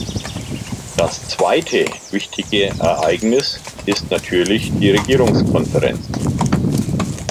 Das zweite wichtige Ereignis ist natürlich die Regierungskonferenz.